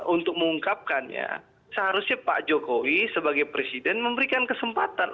untuk mengungkapkannya seharusnya pak jokowi sebagai presiden memberikan kesempatan